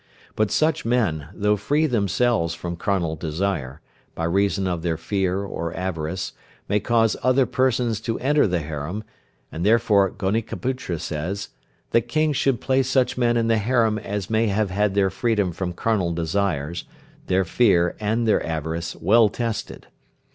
But such men, though free themselves from carnal desire, by reason of their fear or avarice, may cause other persons to enter the harem, and therefore Gonikaputra says, that Kings should place such men in the harem as may have had their freedom from carnal desires, their fears, and their avarice well tested.